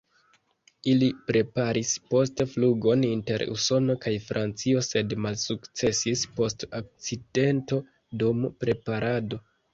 Ili preparis poste flugon inter Usono kaj Francio sed malsukcesis post akcidento dum preparado.